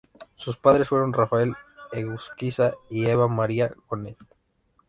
Sus padres fueron Rafael Egusquiza y Eva María Gonnet.